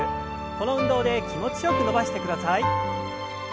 この運動で気持ちよく伸ばしてください。